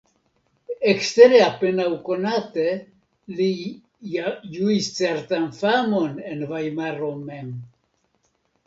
Ekstere apenaŭ konate li ja ĝuis certan famon en Vajmaro mem.